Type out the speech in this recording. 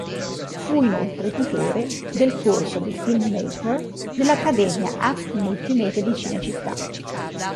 Fu inoltre tutore del corso di Filmmaker dell'Accademia Act Multimedia di Cinecittà.